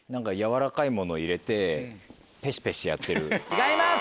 違います！